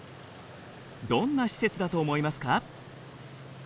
どんな施設だと思いますか？